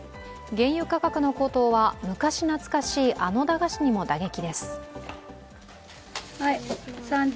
原油価格の高騰は昔懐かしいあの駄菓子にも打撃です。